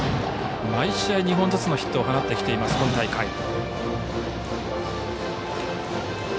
毎試合２本ずつのヒットを放ってきています、今大会。